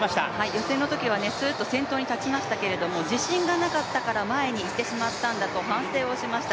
予選のときにはすーっと先頭で走りましたけど自信がなかったから前に行ってしまったんだと反省をしました。